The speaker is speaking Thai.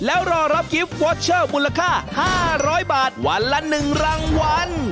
แล้วรอรับกิฟต์วอเชอร์มูลค่า๕๐๐บาทวันละ๑รางวัล